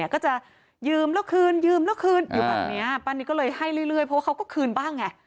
ก็จะยืมแล้วคืนยืมแล้วคืนอยู่แบบนี้ป้านิดก็เลยให้เรื่อยเพราะว่าเขาก็คืนบ้างไง